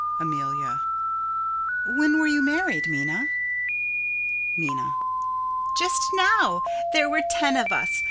Amelia: When were you married, Minna? Minna: Just now. There were ten of us.